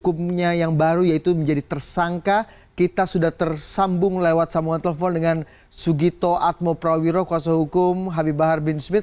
hukumnya yang baru yaitu menjadi tersangka kita sudah tersambung lewat sambungan telepon dengan sugito atmo prawiro kuasa hukum habib bahar bin smith